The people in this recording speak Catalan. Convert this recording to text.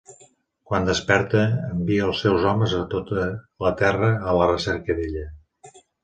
Quan desperta, envia els seus homes a tota la terra a la recerca d'ella.